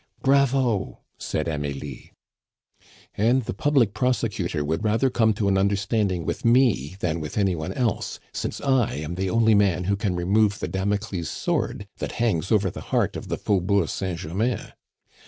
"Bravo!" said Amelie. "And the public prosecutor would rather come to an understanding with me than with any one else, since I am the only man who can remove the Damocles' sword that hangs over the heart of the Faubourg Saint Germain.